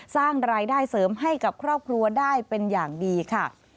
สร้างรายได้เสริมให้กับครอบครัวได้เป็นอย่างดีค่ะ